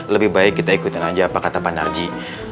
lebih baik kita ikutin aja apa kata pak narji